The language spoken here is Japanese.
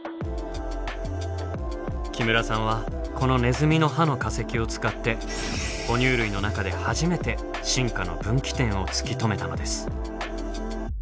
木村さんはこのネズミの歯の化石を使って哺乳類の中で初めて進化の分岐点を突き止めたのです。